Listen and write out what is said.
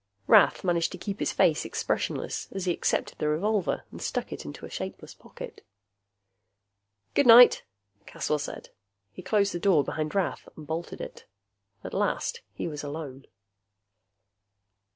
Rath managed to keep his face expressionless as he accepted the revolver and stuck it into a shapeless pocket. "Good night," Caswell said. He closed the door behind Rath and bolted it. At last he was alone.